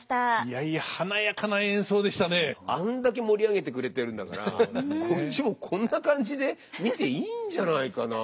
あんだけ盛り上げてくれてるんだからこっちもこんな感じで見ていいんじゃないかなって。